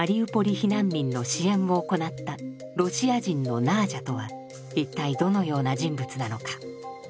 避難民の支援を行ったロシア人のナージャとは一体どのような人物なのか？